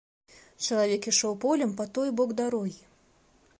Чалавек ішоў полем па той бок дарогі.